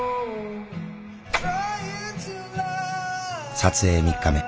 撮影３日目。